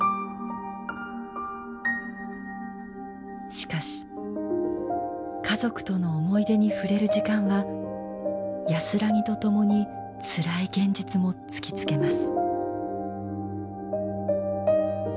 しかし家族との思い出に触れる時間は安らぎとともにつらい現実も突きつけます。